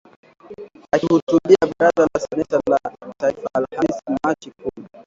akihutubia Baraza la Seneti la taifa Alhamisi Machi kumi